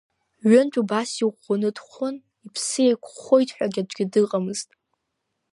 Ҩынтә убас иӷәӷәаны дхәын, иԥсы еиқәхоит ҳәа аӡәгьы дыҟамызт.